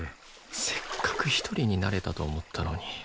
せっかく一人になれたと思ったのに。